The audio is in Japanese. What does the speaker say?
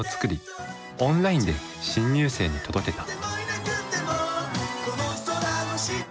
オンラインで新入生に届けた。